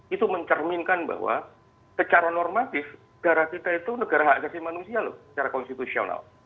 itu mencerminkan bahwa secara normatif negara kita itu negara hak asasi manusia loh secara konstitusional